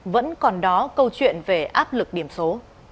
vẫn còn đó câu chuyện về áp lực điểm số